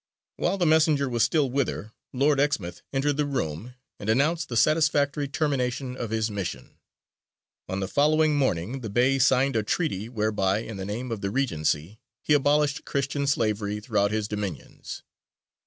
While the messenger was still with her, Lord Exmouth entered the room and announced the satisfactory termination of his mission. On the following morning the Bey signed a Treaty whereby in the name of the Regency he abolished Christian slavery throughout his dominions.